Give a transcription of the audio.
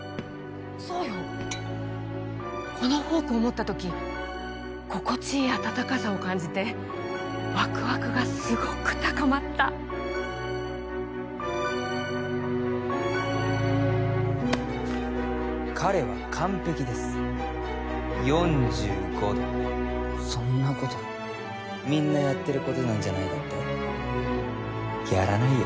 そうよこのフォークを持った時心地いい温かさを感じてワクワクがすごく高まった彼は完璧です４５度そんなことみんなやってることなんじゃないかって？やらないよ